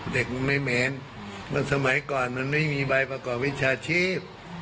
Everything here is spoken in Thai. เด็กมันไม่เหม็นมันสมัยก่อนมันไม่มีใบประกอบวิชาชีพ